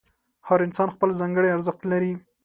هر انسان خپل ځانګړی ارزښت لري.